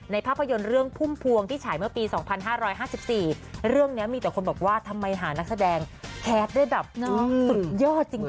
ภาพยนตร์เรื่องพุ่มพวงที่ฉายเมื่อปี๒๕๕๔เรื่องนี้มีแต่คนบอกว่าทำไมหานักแสดงแฮสได้แบบสุดยอดจริง